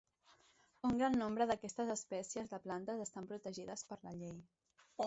Un gran nombre d'aquestes espècies de plantes estan protegides per la llei.